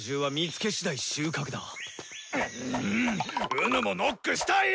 己もノックしたい！